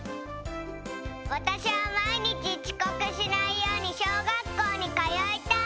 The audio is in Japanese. わたしはまいにちちこくしないようにしょうがっこうにかよいたい。